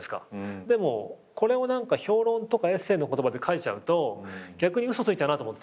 でもこれを評論とかエッセーの言葉で書いちゃうと逆に嘘ついちゃうなと思って。